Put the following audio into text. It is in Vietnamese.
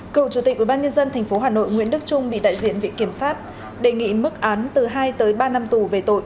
cựu chủ tịch ubnd tp hà nội nguyễn đức trung bị đại diện viện kiểm sát đề nghị mức án từ hai tới ba năm tù về tội